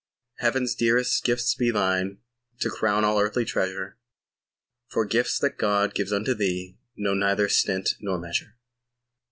Heaven's dearest gifts be thine To crown all earthly treasure, For gifts that God gives unto thee Know neither stint or measure.